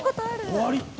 「終わり」って。